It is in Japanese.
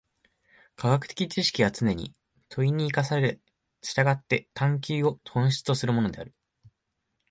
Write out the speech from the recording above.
科学的知識はつねに問に生かされ、従って探求を本質とするものである。